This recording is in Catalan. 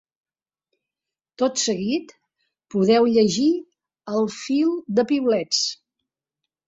Tot seguit, podeu llegir el fil de piulets.